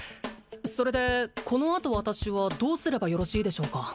それでこのあと私はどうすればよろしいでしょうか？